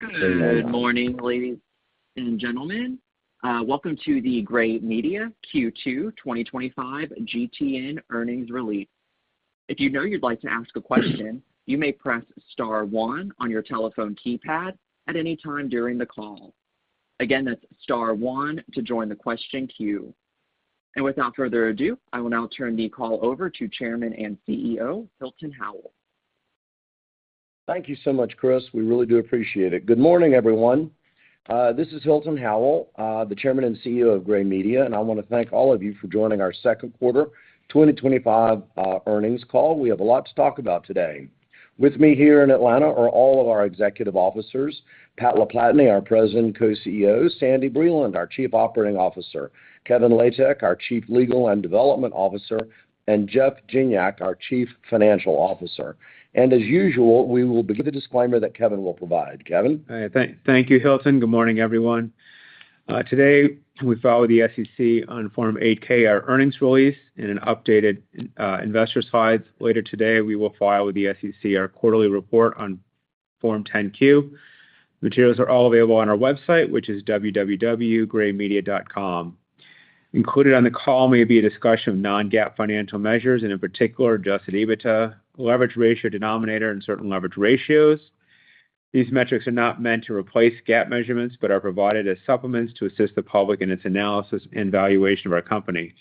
Good morning, ladies and gentlemen. Welcome to the Gray Media Q2 2025 GTN Earnings Release. If you know you'd like to ask a question, you may press star one on your telephone keypad at any time during the call. Again, that's star one to join the question queue. Without further ado, I will now turn the call over to Chairman and CEO, Hilton Howell. Thank you so much, Chris. We really do appreciate it. Good morning, everyone. This is Hilton Howell, the Chairman and CEO of Gray Media, and I want to thank all of you for joining our Second Quarter 2025 Earnings Call. We have a lot to talk about today. With me here in Atlanta are all of our executive officers: Pat LaPlatney, our President and Co-CEO, Sandy Breland, our Chief Operating Officer, Kevin Latek, our Chief Legal and Development Officer, and Jeff Gignac, our Chief Financial Officer. As usual, we will begin with a disclaimer that Kevin will provide. Kevin? Thank you, Hilton. Good morning, everyone. Today, we file with the SEC on Form 8-K, our earnings release, and an updated investor slide. Later today, we will file with the SEC our quarterly report on Form 10-Q. Materials are all available on our website, which is www.graymedia.com. Included on the call may be a discussion of non-GAAP financial measures, and in particular, adjusted EBITDA, leverage ratio, denominator, and certain leverage ratios. These metrics are not meant to replace GAAP measurements, but are provided as supplements to assist the public in its analysis and valuation of our company.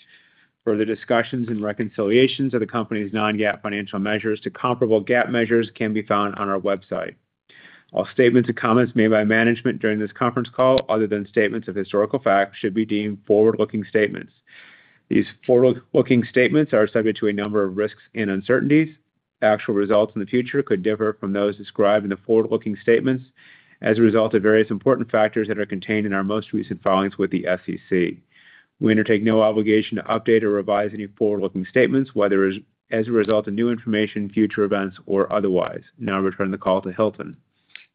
Further discussions and reconciliations of the company's non-GAAP financial measures to comparable GAAP measures can be found on our website. All statements and comments made by management during this conference call, other than statements of historical fact, should be deemed forward-looking statements. These forward-looking statements are subject to a number of risks and uncertainties. Actual results in the future could differ from those described in the forward-looking statements as a result of various important factors that are contained in our most recent filings with the SEC. We undertake no obligation to update or revise any forward-looking statements, whether as a result of new information, future events, or otherwise. Now I'll return the call to Hilton.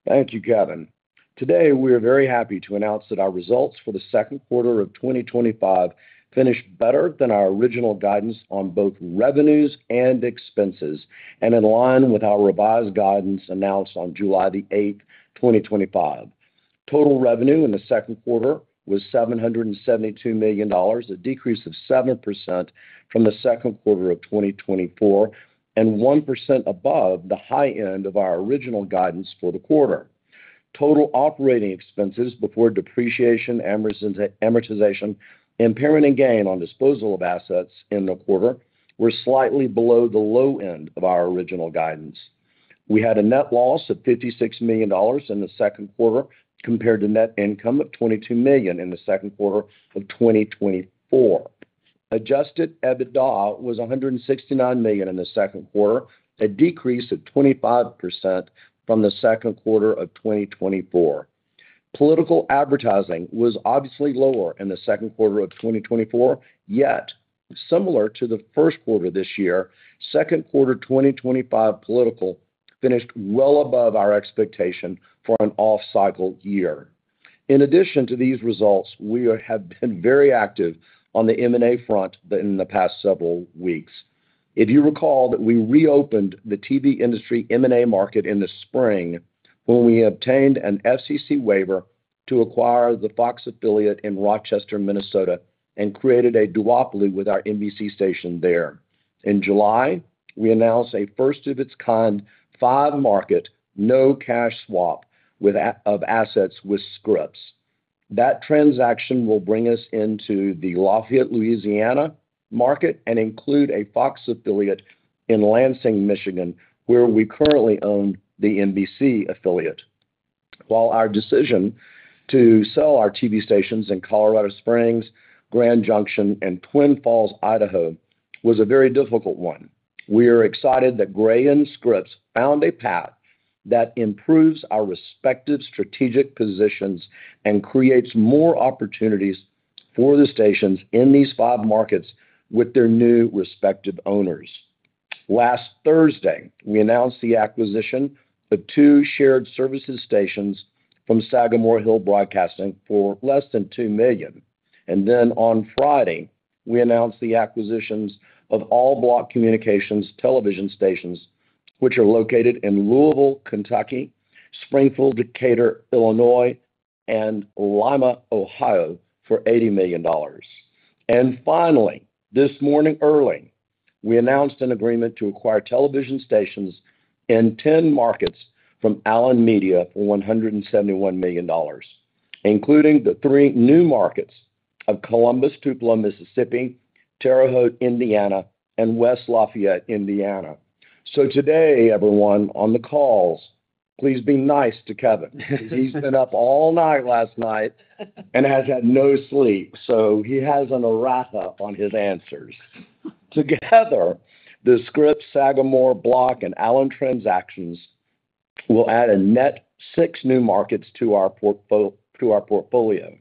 Thank you, Kevin. Today, we are very happy to announce that our results for the second quarter of 2025 finished better than our original guidance on both revenues and expenses, and in line with our revised guidance announced on July 8th, 2025. Total revenue in the second quarter was $772 million, a decrease of 7% from the second quarter of 2024 and 1% above the high end of our original guidance for the quarter. Total operating expenses before depreciation, amortization, impairment, and gain on disposal of assets in the quarter were slightly below the low end of our original guidance. We had a net loss of $56 million in the second quarter compared to net income of $22 million in the second quarter of 2024. Adjusted EBITDA was $169 million in the second quarter, a decrease of 25% from the second quarter of 2024. Political advertising was obviously lower in the second quarter of 2024, yet similar to the first quarter this year, second quarter 2025 political finished well above our expectation for an off-cycle year. In addition to these results, we have been very active on the M&A front in the past several weeks. If you recall that we reopened the TV industry M&A market in the spring when we obtained an FCC waiver to acquire the FOX affiliate in Rochester, Minnesota, and created a duopoly with our NBC station there. In July, we announced a first-of-its-kind five-market no-cash swap of assets with Scripps. That transaction will bring us into the Lafayette, Louisiana market and include a FOX affiliate in Lansing, Michigan, where we currently own the NBC affiliate. While our decision to sell our TV stations in Colorado Springs, Grand Junction, and Twin Falls, Idaho was a very difficult one, we are excited that Gray Media and Scripps found a path that improves our respective strategic positions and creates more opportunities for the stations in these five markets with their new respective owners. Last Thursday, we announced the acquisition of two shared services stations from Sagamore Hill Broadcasting for less than $2 million. On Friday, we announced the acquisitions of all Block Communications television stations, which are located in Louisville, Kentucky; Springfield, Decatur, Illinois; and Lima, Ohio, for $80 million. Finally, this morning early, we announced an agreement to acquire television stations in 10 markets from Allen Media for $171 million, including the three new markets of Columbus, Tupelo, Mississippi, Terre Haute, Indiana, and West Lafayette, Indiana. Today, everyone on the calls, please be nice to Kevin. He's been up all night last night and has had no sleep, so he has an errata on his answers. Together, the Scripps, Sagamore Hill Broadcasting, Block Communications, and Allen Media transactions will add a net six new markets to our portfolio.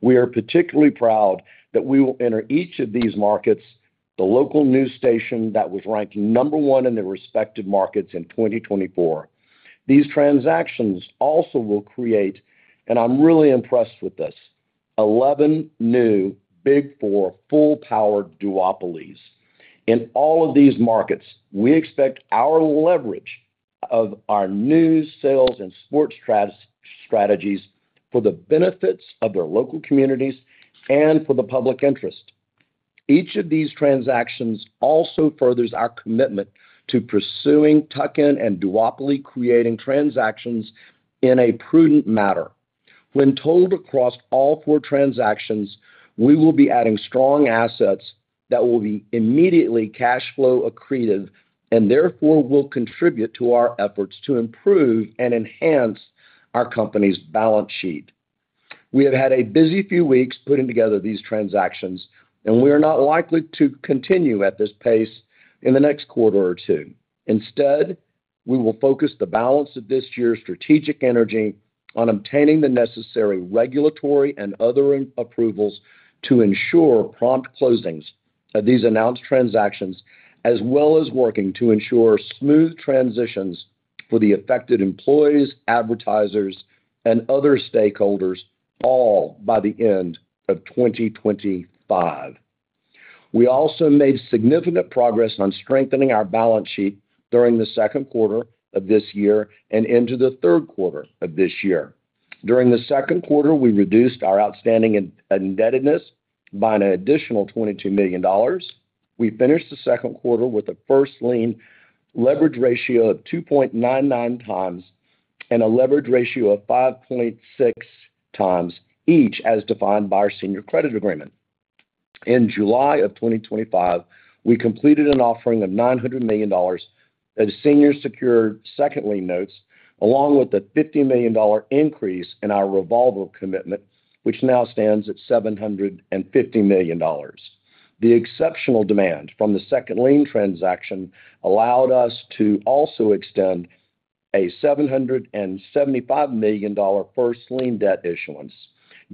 We are particularly proud that we will enter each of these markets with the local news station that was ranked number one in the respective markets in 2024. These transactions also will create, and I'm really impressed with this, 11 new Big Four full-powered duopolies. In all of these markets, we expect our leverage of our news, sales, and sports strategies for the benefits of their local communities and for the public interest. Each of these transactions also furthers our commitment to pursuing tuck-in and duopoly-creating transactions in a prudent manner. When totaled across all four transactions, we will be adding strong assets that will be immediately cash flow accretive and therefore will contribute to our efforts to improve and enhance our company's balance sheet. We have had a busy few weeks putting together these transactions, and we are not likely to continue at this pace in the next quarter or two. Instead, we will focus the balance of this year's strategic energy on obtaining the necessary regulatory and other approvals to ensure prompt closings of these announced transactions, as well as working to ensure smooth transitions for the affected employees, advertisers, and other stakeholders, all by the end of 2025. We also made significant progress on strengthening our balance sheet during the second quarter of this year and into the third quarter of this year. During the second quarter, we reduced our outstanding indebtedness by an additional $22 million. We finished the second quarter with a first lien leverage ratio of 2.99x and a leverage ratio of 5.6x each, as defined by our senior credit agreement. In July of 2025, we completed an offering of $900 million as senior secured second lien notes, along with a $50 million increase in our revolver commitment, which now stands at $750 million. The exceptional demand from the second lien transaction allowed us to also extend a $775 million first lien debt issuance.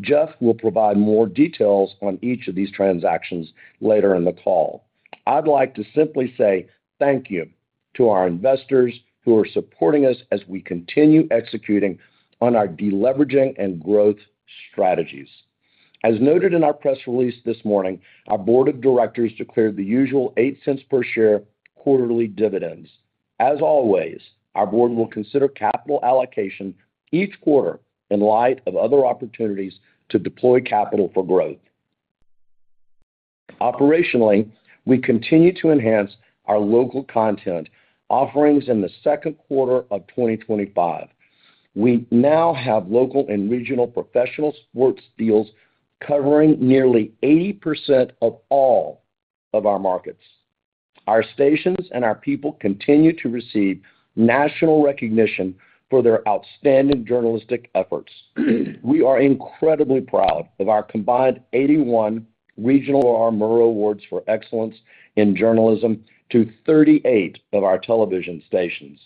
Jeff will provide more details on each of these transactions later in the call. I'd like to simply say thank you to our investors who are supporting us as we continue executing on our deleveraging and growth strategies. As noted in our press release this morning, our board of directors declared the usual $0.08 per share quarterly dividends. As always, our board will consider capital allocation each quarter in light of other opportunities to deploy capital for growth. Operationally, we continue to enhance our local content offerings in the second quarter of 2025. We now have local and regional professional sports deals covering nearly 80% of all of our markets. Our stations and our people continue to receive national recognition for their outstanding journalistic efforts. We are incredibly proud of our combined 81 regional Edward R. Murrow Awards for Excellence in Journalism to 38 of our television stations.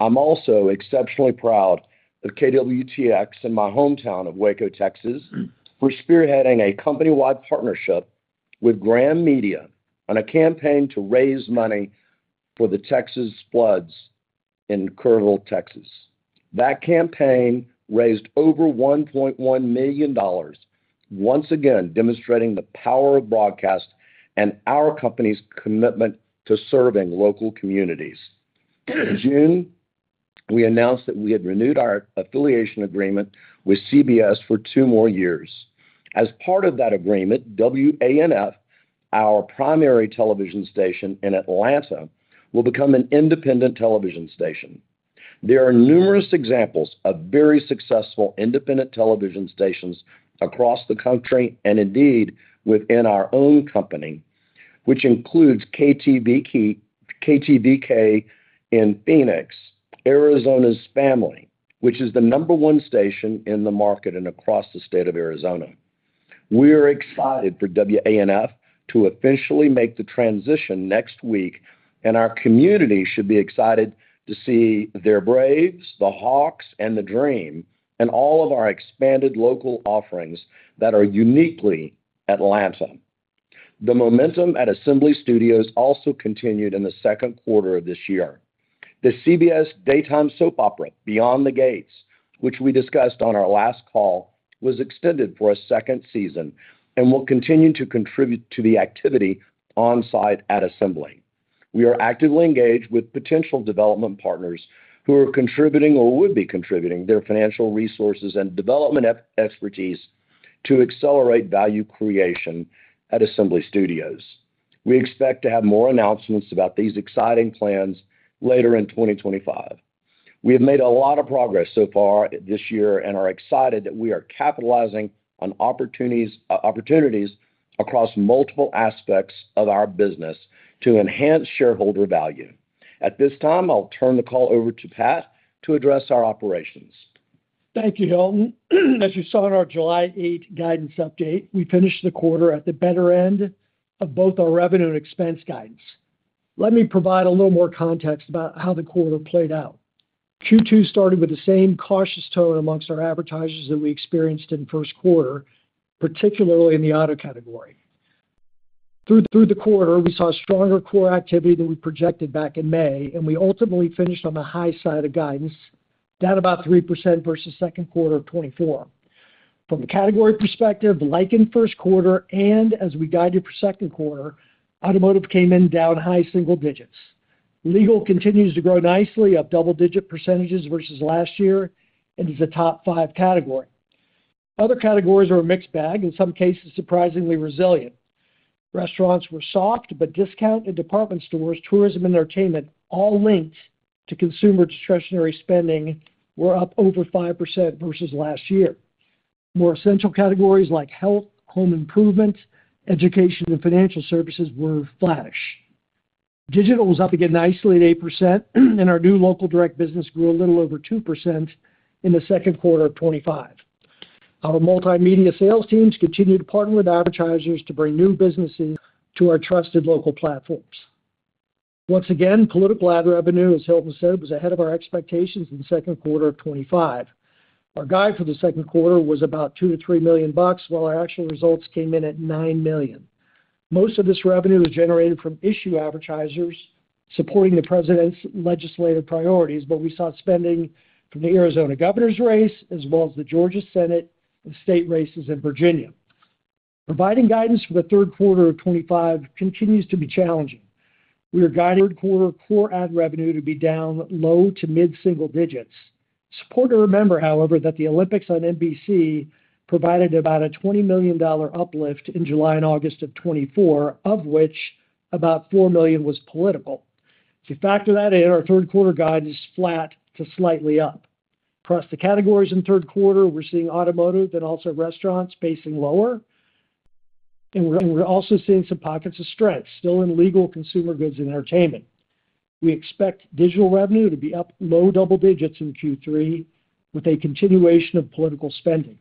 I'm also exceptionally proud of KWTX in my hometown of Waco, Texas, for spearheading a company-wide partnership with Graham Media on a campaign to raise money for the Texas floods in Kerrville, Texas. That campaign raised over $1.1 million, once again demonstrating the power of broadcast and our company's commitment to serving local communities. In June, we announced that we had renewed our affiliation agreement with CBS for two more years. As part of that agreement, WANF, our primary television station in Atlanta, will become an independent television station. There are numerous examples of very successful independent television stations across the country and indeed within our own company, which includes KTVK in Phoenix, Arizona's Family, which is the number one station in the market and across the state of Arizona. We are excited for WANF to officially make the transition next week, and our community should be excited to see their Braves, the Hawks, and the Dream and all of our expanded local offerings that are uniquely Atlanta. The momentum at Assembly Studios also continued in the second quarter of this year. The CBS daytime soap opera, Beyond the Gates, which we discussed on our last call, was extended for a second season and will continue to contribute to the activity on site at Assembly. We are actively engaged with potential development partners who are contributing or would be contributing their financial resources and development expertise to accelerate value creation at Assembly Studios. We expect to have more announcements about these exciting plans later in 2025. We have made a lot of progress so far this year and are excited that we are capitalizing on opportunities across multiple aspects of our business to enhance shareholder value. At this time, I'll turn the call over to Pat to address our operations. Thank you, Hilton. As you saw in our July 8 guidance update, we finished the quarter at the better end of both our revenue and expense guidance. Let me provide a little more context about how the quarter played out. Q2 started with the same cautious tone amongst our advertisers that we experienced in the first quarter, particularly in the auto category. Through the quarter, we saw stronger core activity than we projected back in May, and we ultimately finished on the high side of guidance, down about 3% versus the second quarter of 2024. From a category perspective, like in the first quarter and as we guided for the second quarter, automotive came in down high single digits. Legal continues to grow nicely, up double-digit % versus last year, and is a top five category. Other categories are a mixed bag, in some cases surprisingly resilient. Restaurants were soft, but discount and department stores, tourism, and entertainment, all linked to consumer discretionary spending, were up over 5% versus last year. More essential categories like health, home improvements, education, and financial services were flattish. Digital was up again nicely at 8%, and our new local direct business grew a little over 2% in the second quarter of 2025. Our multimedia sales teams continued to partner with advertisers to bring new businesses to our trusted local platforms. Once again, political advertising revenue, as Hilton said, was ahead of our expectations in the second quarter of 2025. Our guide for the second quarter was about $2 million-$3 million, while our actual results came in at $9 million. Most of this revenue was generated from issue advertisers supporting the president's legislative priorities, but we saw spending from the Arizona governor's race, as well as the Georgia Senate and state races in Virginia. Providing guidance for the third quarter of 2025 continues to be challenging. We are guided for the third quarter core ad revenue to be down low to mid-single digits. Supporters remember, however, that the Olympics on NBC provided about a $20 million uplift in July and August of 2024, of which about $4 million was political. If you factor that in, our third quarter guidance is flat to slightly up. Across the categories in the third quarter, we're seeing automotive and also restaurants facing lower, and we're also seeing some pockets of strength still in legal, consumer goods, and entertainment. We expect digital revenue to be up low double digits in Q3 with a continuation of political spending.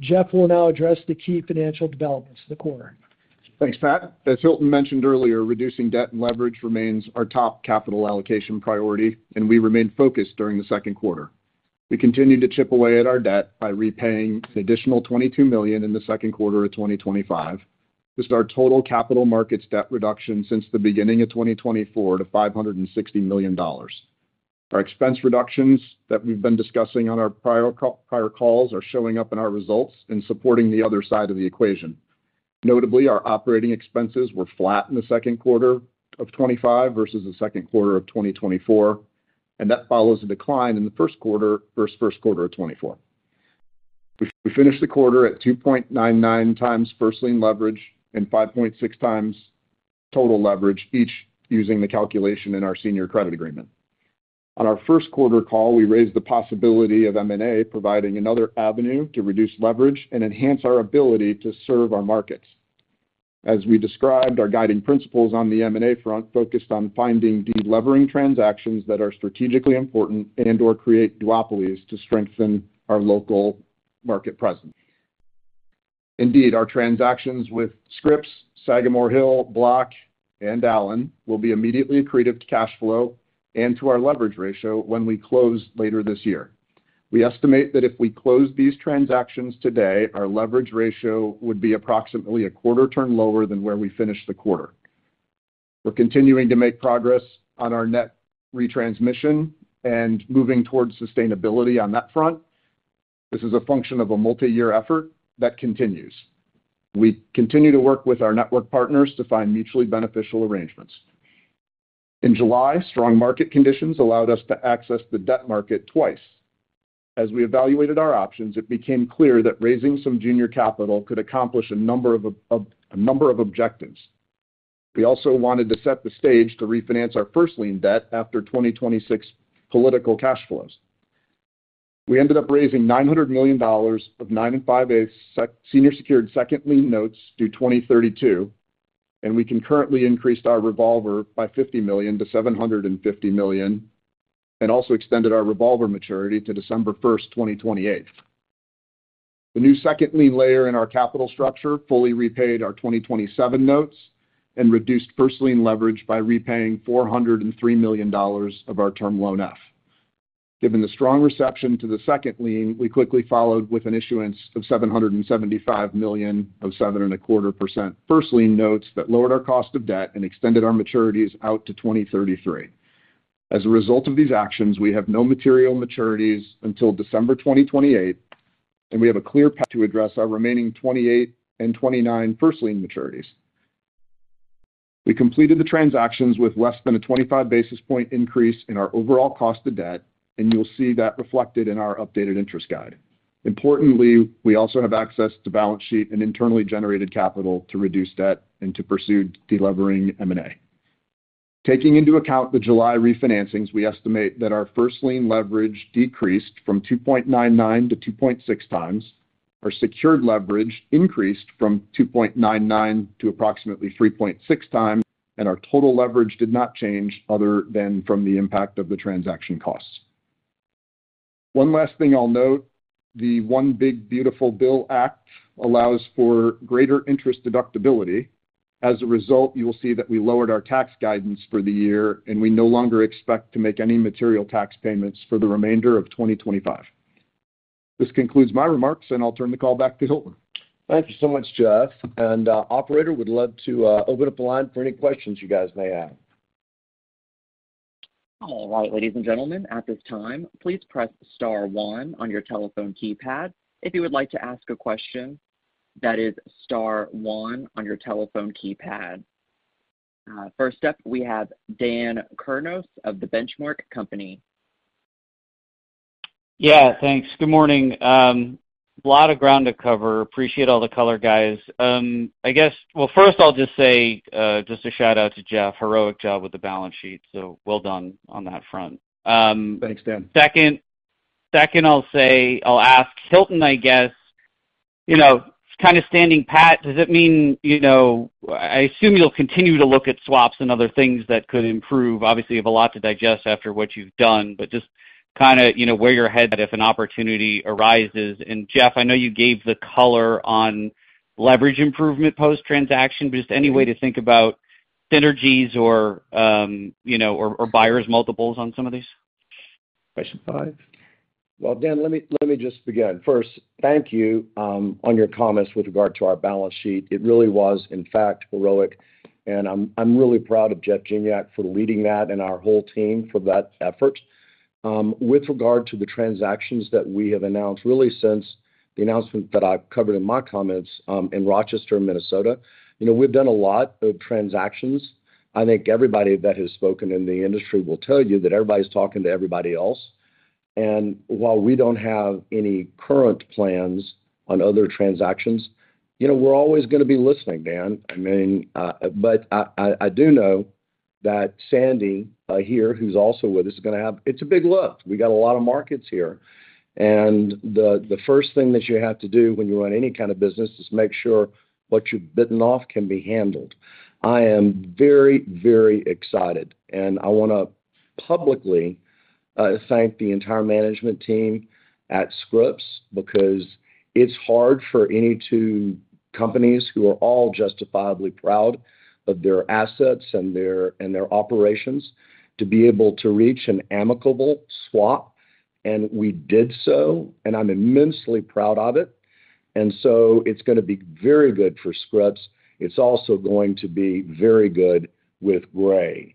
Jeff will now address the key financial developments of the quarter. Thanks, Pat. As Hilton mentioned earlier, reducing debt and leverage remains our top capital allocation priority, and we remained focused during the second quarter. We continue to chip away at our debt by repaying an additional $22 million in the second quarter of 2025. This is our total capital markets debt reduction since the beginning of 2024 to $560 million. Our expense reductions that we've been discussing on our prior calls are showing up in our results and supporting the other side of the equation. Notably, our operating expenses were flat in the second quarter of 2025 versus the second quarter of 2024, and that follows a decline in the first quarter versus the first quarter of 2024. We finished the quarter at 2.99x first lien leverage and 5.6x total leverage, each using the calculation in our senior credit agreement. On our first quarter call, we raised the possibility of M&A providing another avenue to reduce leverage and enhance our ability to serve our markets. As we described, our guiding principles on the M&A front focused on finding delevering transactions that are strategically important and/or create duopolies to strengthen our local market presence. Indeed, our transactions with Scripps, Sagamore Hill, Block Communications, and Allen Media will be immediately accretive to cash flow and to our leverage ratio when we close later this year. We estimate that if we close these transactions today, our leverage ratio would be approximately a quarter turn lower than where we finished the quarter. We're continuing to make progress on our net retransmission and moving towards sustainability on that front. This is a function of a multi-year effort that continues. We continue to work with our network partners to find mutually beneficial arrangements. In July, strong market conditions allowed us to access the debt market twice. As we evaluated our options, it became clear that raising some junior capital could accomplish a number of objectives. We also wanted to set the stage to refinance our first lien debt after 2026 political cash flows. We ended up raising $900 million of 9.625% senior secured second lien notes due 2032, and we concurrently increased our revolver by $50 million to $750 million and also extended our revolver maturity to December 1st, 2028. The new second lien layer in our capital structure fully repaid our 2027 notes and reduced first lien leverage by repaying $403 million of our term loan F. Given the strong reception to the second lien, we quickly followed with an issuance of $775 million of 7.25% first lien notes that lowered our cost of debt and extended our maturities out to 2033. As a result of these actions, we have no material maturities until December 2028, and we have a clear path to address our remaining 2028 and 2029 first lien maturities. We completed the transactions with less than a 25 basis point increase in our overall cost of debt, and you'll see that reflected in our updated interest guide. Importantly, we also have access to balance sheet and internally generated capital to reduce debt and to pursue deleveraging M&A. Taking into account the July refinancings, we estimate that our first lien leverage decreased from 2.99x to 2.6x, our secured leverage increased from 2.99x to approximately 3.6x, and our total leverage did not change other than from the impact of the transaction costs. One last thing I'll note, the One Big Beautiful Bill Act allows for greater interest deductibility. As a result, you will see that we lowered our tax guidance for the year, and we no longer expect to make any material tax payments for the remainder of 2025. This concludes my remarks, and I'll turn the call back to Hilton. Thank you so much, Jeff. Operator, would love to open up the line for any questions you guys may have. All right, ladies and gentlemen, at this time, please press star one on your telephone keypad if you would like to ask a question. That is star one on your telephone keypad. First up, we have Dan Kurnos of The Benchmark Company. Yeah, thanks. Good morning. A lot of ground to cover. Appreciate all the color, guys. I guess, first I'll just say just a shout out to Jeff. Heroic job with the balance sheet. So well done on that front. Thanks, Dan. Second, I'll say, I'll ask Hilton, I guess, kind of standing pat, does it mean, I assume you'll continue to look at swaps and other things that could improve. Obviously, you have a lot to digest after what you've done, just kind of where your head is if an opportunity arises. Jeff, I know you gave the color on leverage improvement post-transaction, just any way to think about synergies or buyer's multiples on some of these? Question five. Dan, let me just begin. First, thank you on your comments with regard to our balance sheet. It really was, in fact, heroic, and I'm really proud of Jeff Gignac for leading that and our whole team for that effort. With regard to the transactions that we have announced, really since the announcement that I covered in my comments in Rochester, Minnesota, we've done a lot of transactions. I think everybody that has spoken in the industry will tell you that everybody's talking to everybody else. While we don't have any current plans on other transactions, we're always going to be listening, Dan. I mean, I do know that Sandy here, who's also with us, is going to have, it's a big look. We got a lot of markets here. The first thing that you have to do when you run any kind of business is make sure what you've bitten off can be handled. I am very, very excited, and I want to publicly thank the entire management team at Scripps because it's hard for any two companies who are all justifiably proud of their assets and their operations to be able to reach an amicable swap. We did so, and I'm immensely proud of it. It's going to be very good for Scripps. It's also going to be very good with Gray Media.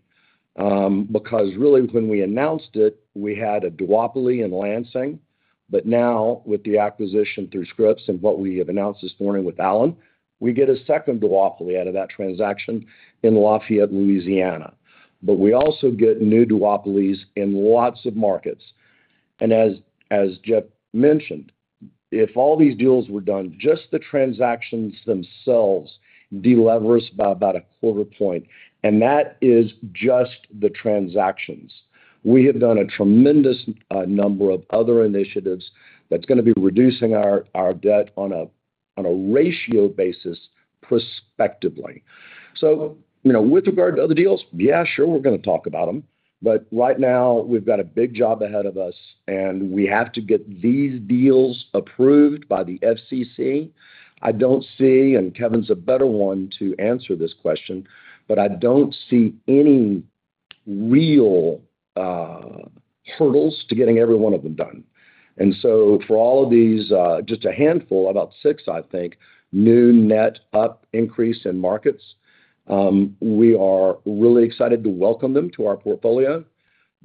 When we announced it, we had a duopoly in Lansing. Now, with the acquisition through Scripps and what we have announced this morning with Allen Media, we get a second duopoly out of that transaction in Lafayette, Louisiana. We also get new duopolies in lots of markets. As Jeff mentioned, if all these deals were done, just the transactions themselves delever us by about a quarter point. That is just the transactions. We have done a tremendous number of other initiatives that's going to be reducing our debt on a ratio basis, prospectively. With regard to other deals, yeah, sure, we're going to talk about them. Right now, we've got a big job ahead of us, and we have to get these deals approved by the FCC. I don't see, and Kevin's a better one to answer this question, but I don't see any real hurdles to getting every one of them done. For all of these, just a handful, about six, I think, new net up increase in markets. We are really excited to welcome them to our portfolio.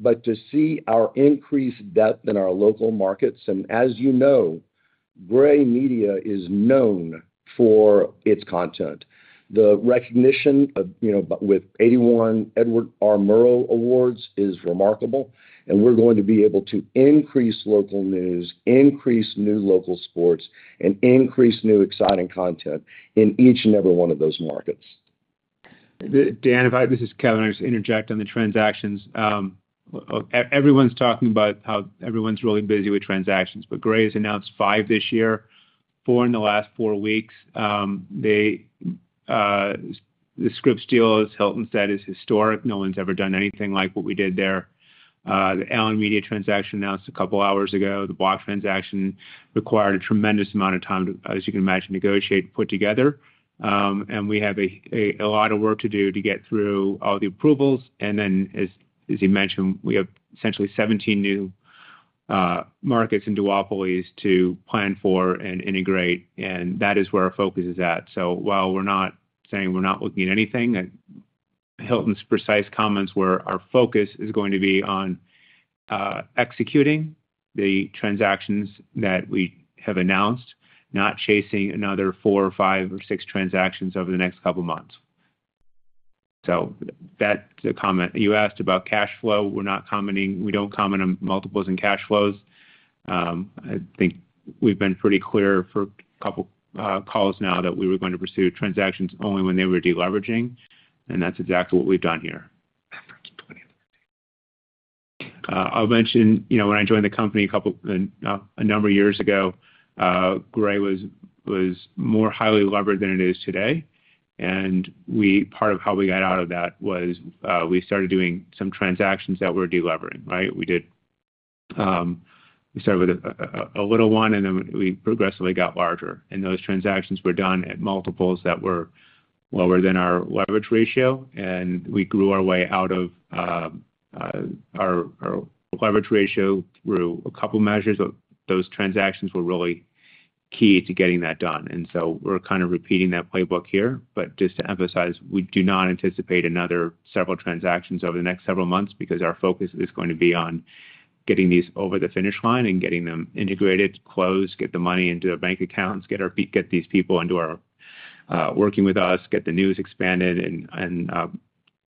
To see our increased depth in our local markets, and as you know, Gray Media is known for its content. The recognition of, you know, with 81 regional Edward R. Murrow Awards is remarkable. We're going to be able to increase local news, increase new local sports, and increase new exciting content in each and every one of those markets. Dan, if I just, Kevin, I just interject on the transactions. Everyone's talking about how everyone's really busy with transactions, but Gray has announced five this year, four in the last four weeks. The Scripps deal, as Hilton said, is historic. No one's ever done anything like what we did there. The Allen Media transaction announced a couple hours ago. The Block transaction required a tremendous amount of time, as you can imagine, to negotiate and put together. We have a lot of work to do to get through all the approvals. As you mentioned, we have essentially 17 new markets and duopolies to plan for and integrate. That is where our focus is at. While we're not saying we're not looking at anything, Hilton's precise comments were our focus is going to be on executing the transactions that we have announced, not chasing another four or five or six transactions over the next couple of months. That comment you asked about cash flow, we're not commenting. We don't comment on multiples and cash flows. I think we've been pretty clear for a couple of calls now that we were going to pursue transactions only when they were deleveraging. That's exactly what we've done here. I'll mention, you know, when I joined the company a couple of, a number of years ago, Gray was more highly levered than it is today. Part of how we got out of that was we started doing some transactions that were delevering, right? We did, we started with a little one, and then we progressively got larger. Those transactions were done at multiples that were lower than our leverage ratio. We grew our way out of our leverage ratio through a couple of measures. Those transactions were really key to getting that done. We're kind of repeating that playbook here. Just to emphasize, we do not anticipate another several transactions over the next several months because our focus is going to be on getting these over the finish line and getting them integrated, closed, get the money into our bank accounts, get these people into our, working with us, get the news expanded, and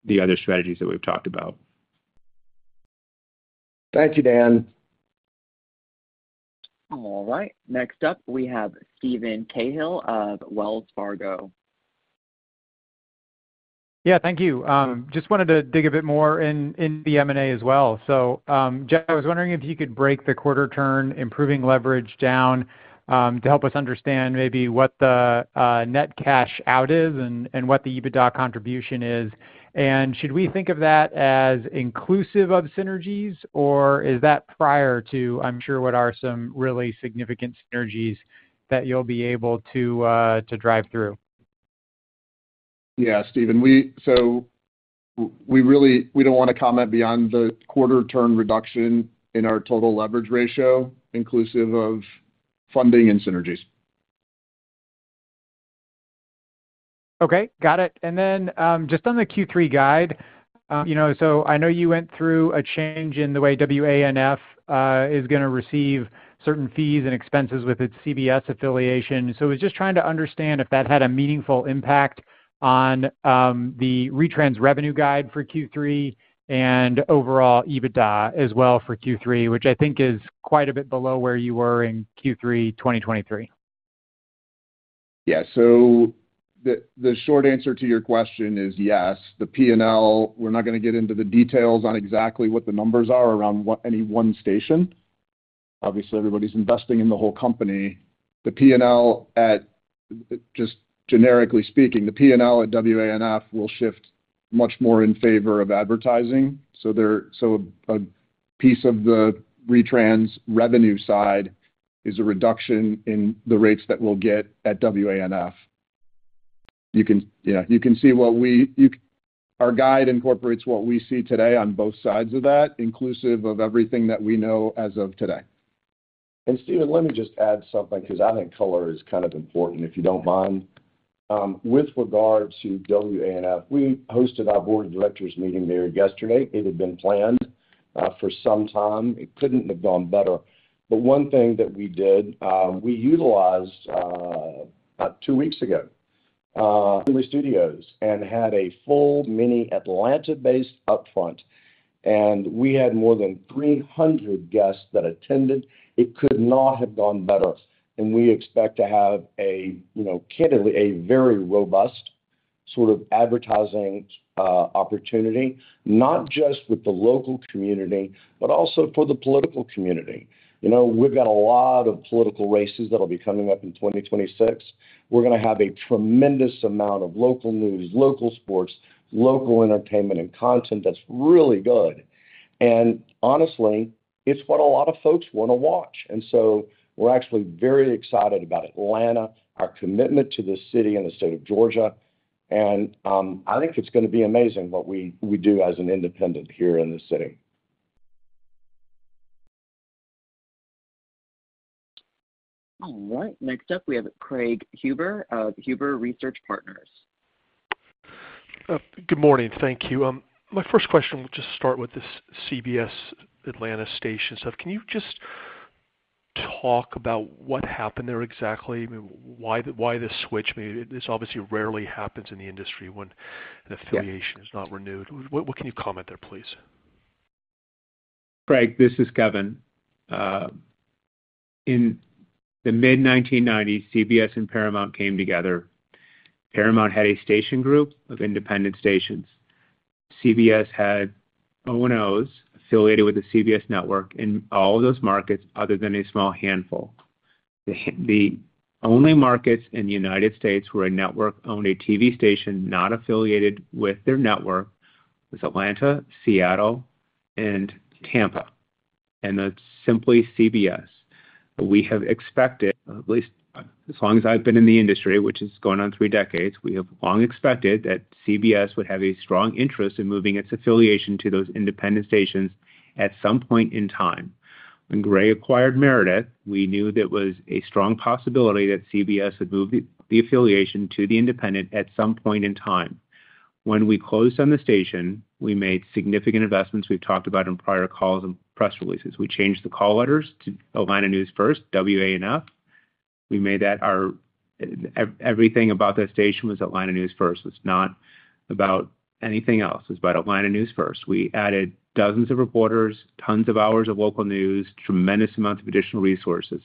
the other strategies that we've talked about. Thank you, Dan. All right, next up, we have Steven Cahall of Wells Fargo. Thank you. Just wanted to dig a bit more in the M&A as well. Jeff, I was wondering if you could break the quarter turn, improving leverage down to help us understand maybe what the net cash out is and what the EBITDA contribution is. Should we think of that as inclusive of synergies or is that prior to, I'm sure, what are some really significant synergies that you'll be able to drive through? Yeah, Stephen, we really don't want to comment beyond the quarter turn reduction in our total leverage ratio, inclusive of funding and synergies. Okay, got it. Just on the Q3 guide, I know you went through a change in the way WANF is going to receive certain fees and expenses with its CBS affiliation. I was just trying to understand if that had a meaningful impact on the retrans revenue guide for Q3 and overall EBITDA as well for Q3, which I think is quite a bit below where you were in Q3 2023. Yeah, so the short answer to your question is yes, the P&L, we're not going to get into the details on exactly what the numbers are around any one station. Obviously, everybody's investing in the whole company. The P&L at, just generically speaking, the P&L at WANF will shift much more in favor of advertising. A piece of the retrans revenue side is a reduction in the rates that we'll get at WANF. You can see what we, our guide incorporates what we see today on both sides of that, inclusive of everything that we know as of today. Stephen, let me just add something because I think color is kind of important, if you don't mind. With regard to WANF, we hosted our Board of Directors meeting there yesterday. It had been planned for some time. It couldn't have gone better. One thing that we did, we utilized about two weeks ago in the studios and had a full mini Atlanta-based upfront. We had more than 300 guests that attended. It could not have gone better. We expect to have a, you know, candidly, a very robust sort of advertising opportunity, not just with the local community, but also for the political community. We've got a lot of political races that'll be coming up in 2026. We're going to have a tremendous amount of local news, local sports, local entertainment, and content that's really good. Honestly, it's what a lot of folks want to watch. We're actually very excited about Atlanta, our commitment to the city and the state of Georgia. I think it's going to be amazing what we do as an independent here in the city. All right, next up, we have Craig Huber of Huber Research Partners. Good morning, thank you. My first question will just start with this CBS Atlanta station stuff. Can you just talk about what happened there exactly? I mean, why this switch made it, this obviously rarely happens in the industry when an affiliation is not renewed. What can you comment there, please? Craig, this is Kevin. In the mid-1990s, CBS and Paramount came together. Paramount had a station group of independent stations. CBS had O&Os affiliated with the CBS network in all of those markets other than a small handful. The only markets in the United States where a network-only TV station not affiliated with their network was Atlanta, Seattle, and Tampa. That's simply CBS. We have expected, at least as long as I've been in the industry, which has gone on three decades, we have long expected that CBS would have a strong interest in moving its affiliation to those independent stations at some point in time. When Gray acquired Meredith, we knew that it was a strong possibility that CBS would move the affiliation to the independent at some point in time. When we closed on the station, we made significant investments we've talked about in prior calls and press releases. We changed the call letters to Atlanta News First, WANF. Everything about that station was Atlanta News First. It was not about anything else. It was about Atlanta News First. We added dozens of reporters, tons of hours of local news, tremendous amounts of additional resources.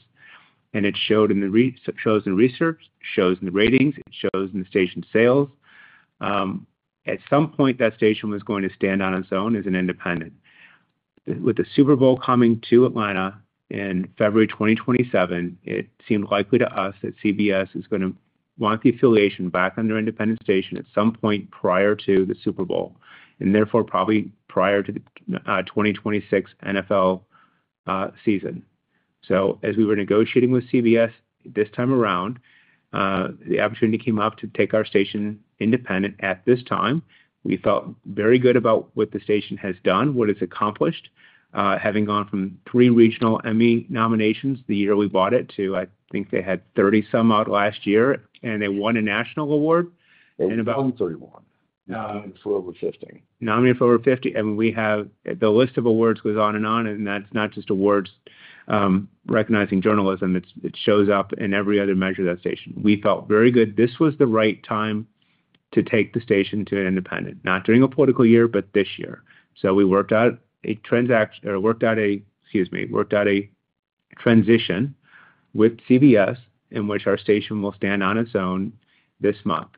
It showed in the research, it shows in the ratings, it shows in the station sales. At some point, that station was going to stand on its own as an independent. With the Super Bowl coming to Atlanta in February 2027, it seemed likely to us that CBS is going to want the affiliation back under an independent station at some point prior to the Super Bowl, and therefore probably prior to the 2026 NFL season. As we were negotiating with CBS this time around, the opportunity came up to take our station independent at this time. We felt very good about what the station has done, what it's accomplished, having gone from three regional Emmy nominations the year we bought it to, I think they had 30 some out last year, and they won a national award. Only 31. It's a little over 50. Nominated for over 50. I mean, we have the list of awards goes on and on, and that's not just awards recognizing journalism. It shows up in every other measure of that station. We felt very good. This was the right time to take the station to an independent, not during a political year, but this year. We worked out a transition with CBS in which our station will stand on its own this month.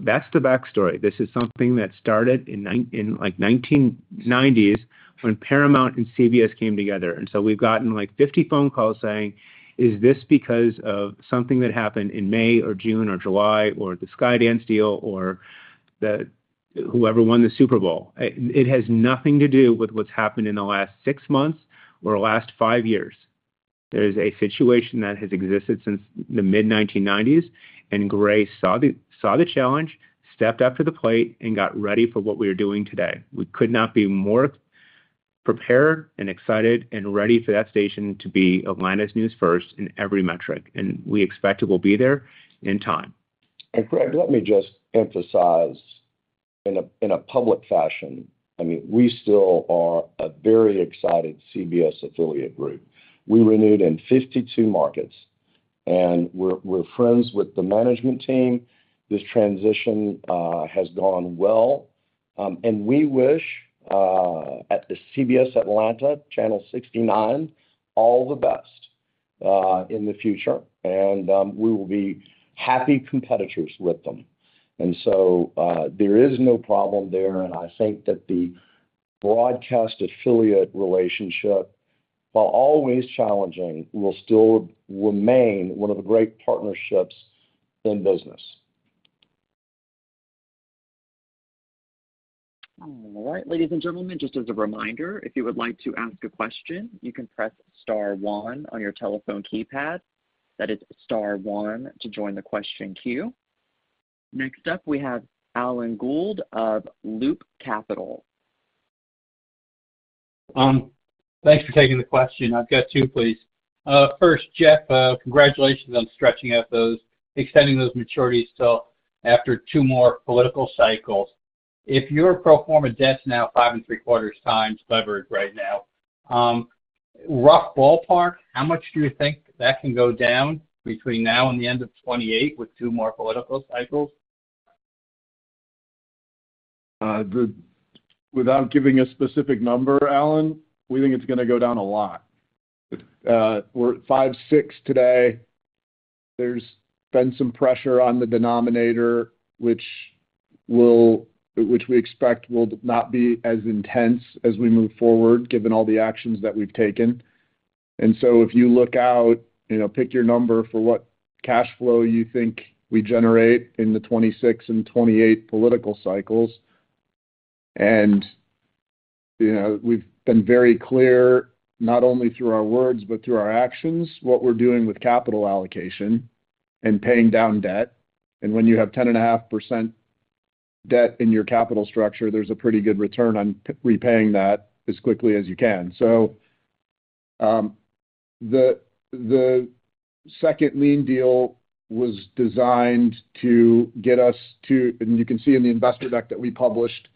That's the backstory. This is something that started in the 1990s when Paramount and CBS came together. We've gotten like 50 phone calls saying, is this because of something that happened in May or June or July or the Skydance deal or whoever won the Super Bowl? It has nothing to do with what's happened in the last six months or the last five years. There is a situation that has existed since the mid-1990s, and Gray saw the challenge, stepped up to the plate, and got ready for what we are doing today. We could not be more prepared and excited and ready for that station to be Atlanta's news first in every metric. We expect it will be there in time. Craig, let me just emphasize in a public fashion, I mean, we still are a very excited CBS affiliate group. We renewed in 52 markets, and we're friends with the management team. This transition has gone well. We wish at the CBS Atlanta Channel 69 all the best in the future, and we will be happy competitors with them. There is no problem there. I think that the broadcast affiliate relationship, while always challenging, will still remain one of the great partnerships in business. All right, ladies and gentlemen, just as a reminder, if you would like to ask a question, you can press star one on your telephone keypad. That is star one to join the question queue. Next up, we have Alan Gould of Loop Capital. Thanks for taking the question. I've got two, please. First, Jeff, congratulations on stretching out those, extending those maturities till after two more political cycles. If you're a pro forma desk now, 5.75x leverage right now, rough ballpark, how much do you think that can go down between now and the end of 2028 with two more political cycles? Without giving a specific number, Alan, we think it's going to go down a lot. We're at 5.6x today. There's been some pressure on the denominator, which we expect will not be as intense as we move forward, given all the actions that we've taken. If you look out, you know, pick your number for what cash flow you think we generate in the 2026 and 2028 political cycles. You know, we've been very clear, not only through our words, but through our actions, what we're doing with capital allocation and paying down debt. When you have 10.5% debt in your capital structure, there's a pretty good return on repaying that as quickly as you can. The second lien deal was designed to get us to, and you can see in the investor deck that we published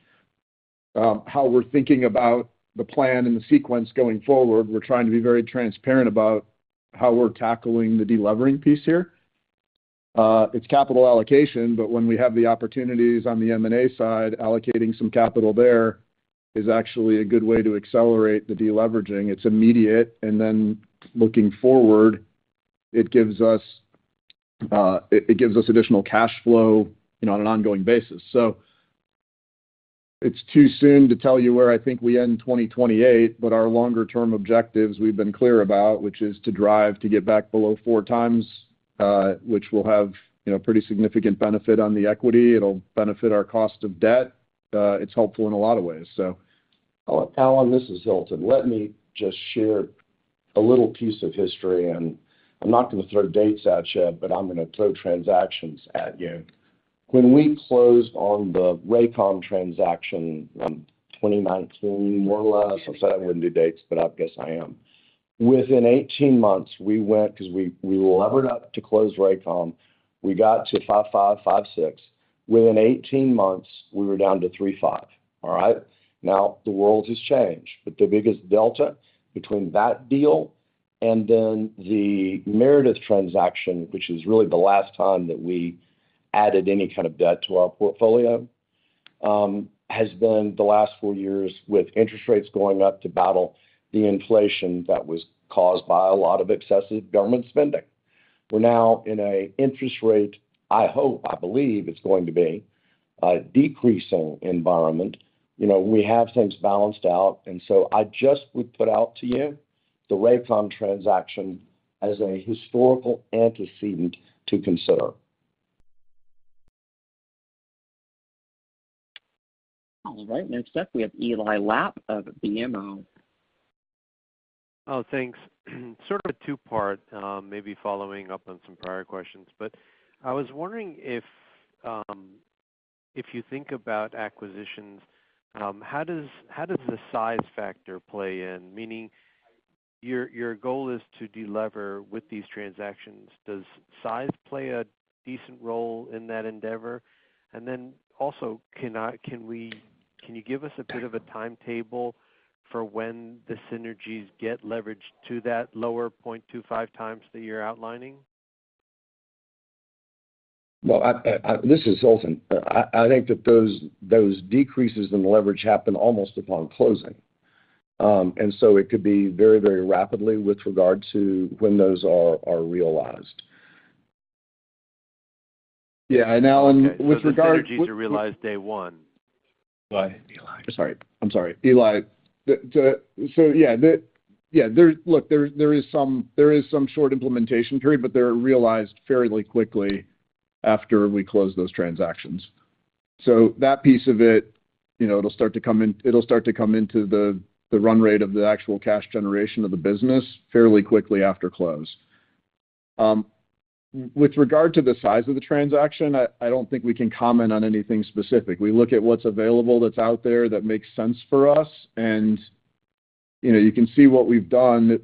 how we're thinking about the plan and the sequence going forward. We're trying to be very transparent about how we're tackling the delevering piece here. It's capital allocation, but when we have the opportunities on the M&A side, allocating some capital there is actually a good way to accelerate the deleveraging. It's immediate, and then looking forward, it gives us additional cash flow, you know, on an ongoing basis. It's too soon to tell you where I think we end 2028, but our longer-term objectives we've been clear about, which is to drive to get back below 4x, which will have, you know, a pretty significant benefit on the equity. It'll benefit our cost of debt. It's helpful in a lot of ways. Alan, this is Hilton. Let me just share a little piece of history, and I'm not going to throw dates at you, but I'm going to throw transactions at you. When we closed on the Raycon transaction in 2019, more or less, I said I wouldn't do dates, but I guess I am. Within 18 months, we went, because we levered up to close Raycon, we got to 5.56x. Within 18 months, we were down to 3.5x. All right. Now the world has changed, but the biggest delta between that deal and then the Meredith transaction, which is really the last time that we added any kind of debt to our portfolio, has been the last four years with interest rates going up to battle the inflation that was caused by a lot of excessive government spending. We're now in an interest rate, I hope, I believe it's going to be, a decreasing environment. You know, we have things balanced out, and I just would put out to you the Raycon transaction as a historical antecedent to consider. All right, next up, we have Eli Lapp of BMO. Oh, thanks. Sort of a two-part, maybe following up on some prior questions. I was wondering if you think about acquisitions, how does the size factor play in? Meaning your goal is to delever with these transactions. Does size play a decent role in that endeavor? Also, can you give us a bit of a timetable for when the synergies get leveraged to that lower 0.25x that you're outlining? I think that those decreases in leverage happen almost upon closing, and so it could be very, very rapidly with regard to when those are realized. Yeah, Alan, with regard to... They're realized day one. Go ahead, Eli. Eli, yeah, look, there is some short implementation period, but they're realized fairly quickly after we close those transactions. That piece of it, it'll start to come into the run rate of the actual cash generation of the business fairly quickly after close. With regard to the size of the transaction, I don't think we can comment on anything specific. We look at what's available that's out there that makes sense for us. You can see what we've done.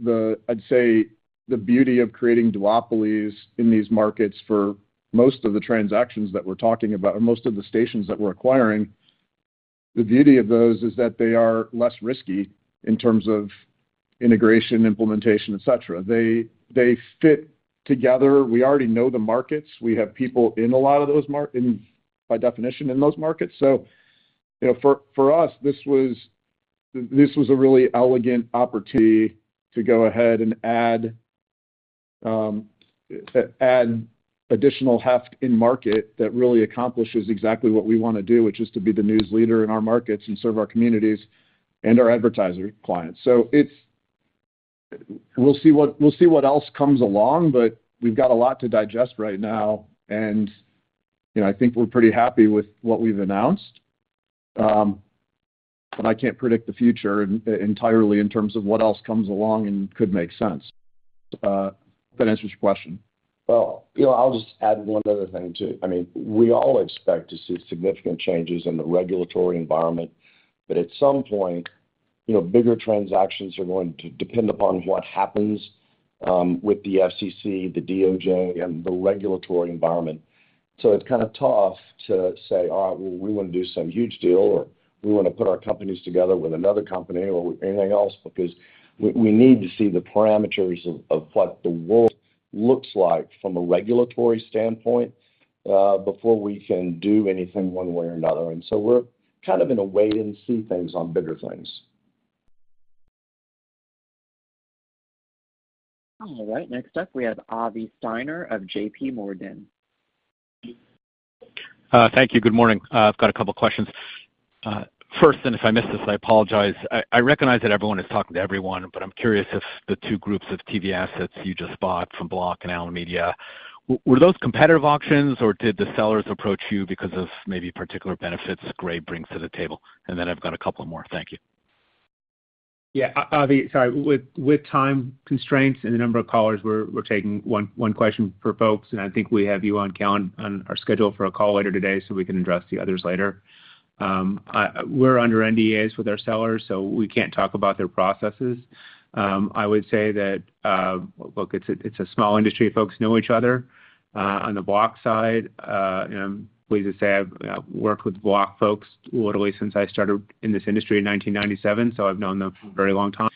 I'd say the beauty of creating duopolies in these markets for most of the transactions that we're talking about and most of the stations that we're acquiring, the beauty of those is that they are less risky in terms of integration, implementation, etc. They fit together. We already know the markets. We have people in a lot of those markets, by definition, in those markets. For us, this was a really elegant opportunity to go ahead and add additional heft in market that really accomplishes exactly what we want to do, which is to be the news leader in our markets and serve our communities and our advertiser clients. We'll see what else comes along, but we've got a lot to digest right now. I think we're pretty happy with what we've announced. I can't predict the future entirely in terms of what else comes along and could make sense. If that answers your question. I'll just add one other thing too. I mean, we all expect to see significant changes in the regulatory environment. At some point, bigger transactions are going to depend upon what happens with the FCC, the DOJ, and the regulatory environment. It's kind of tough to say, all right, we want to do some huge deal or we want to put our companies together with another company or anything else because we need to see the parameters of what the world looks like from a regulatory standpoint before we can do anything one way or another. We're kind of in a wait-and-see things on bigger things. All right, next up, we have Avi Steiner of JPMorgan. Thank you. Good morning. I've got a couple of questions. First, and if I missed this, I apologize. I recognize that everyone is talking to everyone, but I'm curious if the two groups of TV assets you just bought from Block Communications and Allen Media, were those competitive auctions or did the sellers approach you because of maybe particular benefits Gray Media brings to the table? I've got a couple more. Thank you. Yeah, Avi, sorry, with time constraints and the number of callers, we're taking one question per folks. I think we have you on our schedule for a call later today so we can address the others later. We're under NDAs with our sellers, so we can't talk about their processes. I would say that, look, it's a small industry. Folks know each other. On the Block side, I'm pleased to say I've worked with Block folks literally since I started in this industry in 1997, so I've known them for a very long time.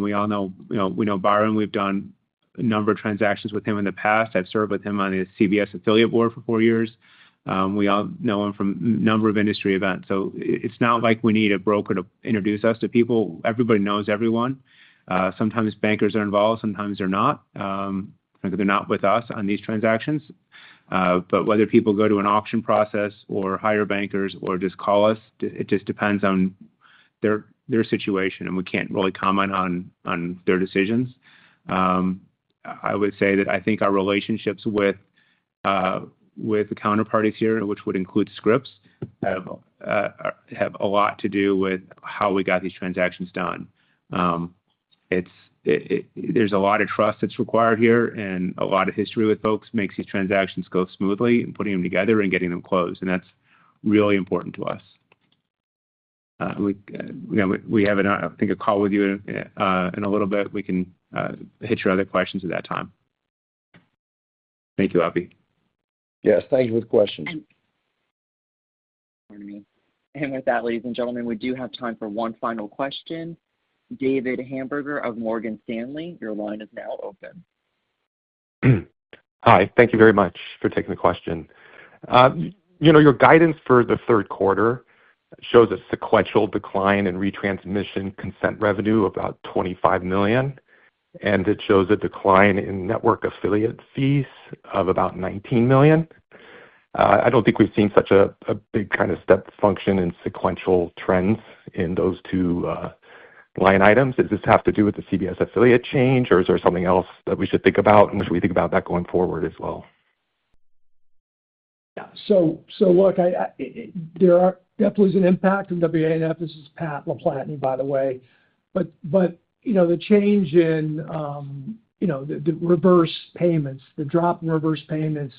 We all know, you know, we know Byron. We've done a number of transactions with him in the past. I've served with him on his CBS affiliate board for four years. We all know him from a number of industry events. It's not like we need a broker to introduce us to people. Everybody knows everyone. Sometimes bankers are involved, sometimes they're not. They're not with us on these transactions. Whether people go to an auction process or hire bankers or just call us, it just depends on their situation, and we can't really comment on their decisions. I would say that I think our relationships with the counterparties here, which would include Scripps, have a lot to do with how we got these transactions done. There's a lot of trust that's required here, and a lot of history with folks makes these transactions go smoothly and putting them together and getting them closed. That's really important to us. We have, I think, a call with you in a little bit. We can hit your other questions at that time. Thank you, Avi. Yes, thank you for the question. With that, ladies and gentlemen, we do have time for one final question. David Hamburger of Morgan Stanley, your line is now open. Hi, thank you very much for taking the question. You know, your guidance for the third quarter shows a sequential decline in retransmission consent revenue of about $25 million, and it shows a decline in network affiliate fees of about $19 million. I don't think we've seen such a big kind of step function in sequential trends in those two line items. Does this have to do with the CBS affiliates change, or is there something else that we should think about, and should we think about that going forward as well? Yeah, so look, there definitely is an impact from WANF. This is Pat LaPlatney, by the way. You know, the change in the reverse payments, the drop in reverse payments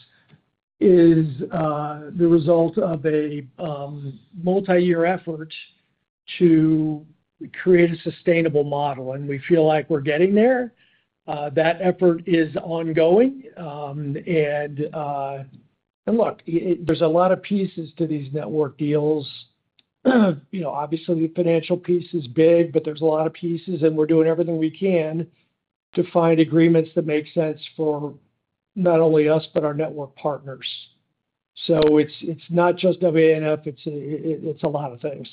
is the result of a multi-year effort to create a sustainable model, and we feel like we're getting there. That effort is ongoing. There's a lot of pieces to these network deals. Obviously, the financial piece is big, but there's a lot of pieces, and we're doing everything we can to find agreements that make sense for not only us, but our network partners. It's not just WANF, it's a lot of things.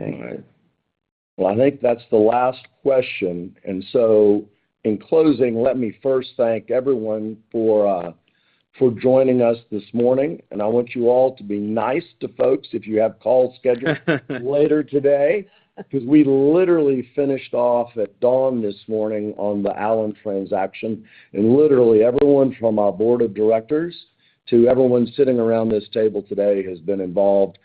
All right. I think that's the last question. In closing, let me first thank everyone for joining us this morning. I want you all to be nice to folks if you have calls scheduled later today, because we literally finished off at dawn this morning on the Allen Media transaction. Literally, everyone from our Board of Directors to everyone sitting around this table today has been involved.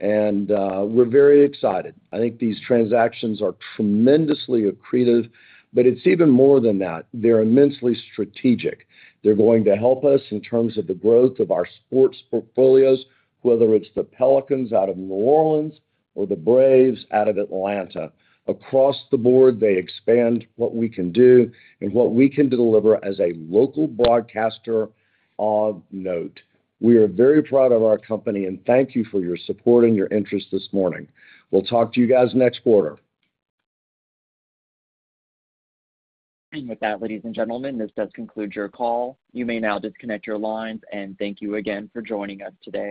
We're very excited. I think these transactions are tremendously accretive, but it's even more than that. They're immensely strategic. They're going to help us in terms of the growth of our sports portfolios, whether it's the Pelicans out of New Orleans or the Braves out of Atlanta. Across the board, they expand what we can do and what we can deliver as a local broadcaster of note. We are very proud of our company, and thank you for your support and your interest this morning. We'll talk to you guys next quarter. With that, ladies and gentlemen, this does conclude your call. You may now disconnect your lines, and thank you again for joining us today.